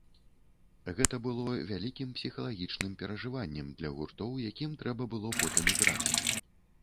Гэта было вялікім псіхалагічным перажываннем для гуртоў, якім трэба было потым іграць.